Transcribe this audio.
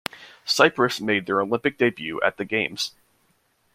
Cyprus made their Olympic debut at the games.